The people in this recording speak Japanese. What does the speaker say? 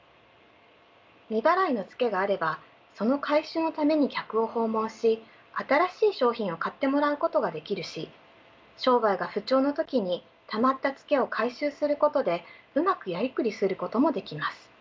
未払いのツケがあればその回収のために客を訪問し新しい商品を買ってもらうことができるし商売が不調の時にたまったツケを回収することでうまくやりくりすることもできます。